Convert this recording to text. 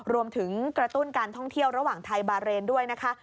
รวมถึงกระตุ้นการท่องเที่ยวระหว่างไทยบาเรนด้วยนะคะ